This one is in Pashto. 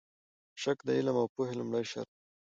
شک د علم او پوهې لومړی شرط دی.